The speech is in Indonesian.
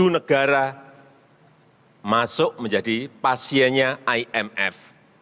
empat puluh tujuh negara masuk menjadi pasiennya imf